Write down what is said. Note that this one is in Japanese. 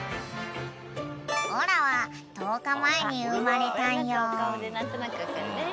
［おらは１０日前に生まれたんよ］